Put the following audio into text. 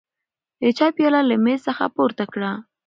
د چای پیاله له مېز څخه پورته کړه.